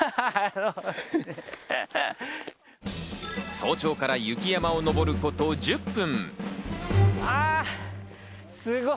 早朝から雪山を登ること１０分。